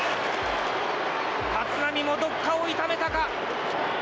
立浪もどっかを痛めたか？